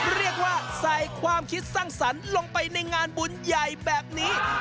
เรียกว่าใส่ความคิดสร้างสรรค์ลงไปในงานบุญใหญ่แบบนี้